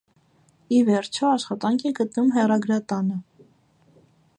Ի վերջո աշխատանք է գտնում հեռագրատանը։